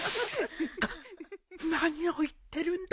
あっ何を言ってるんだ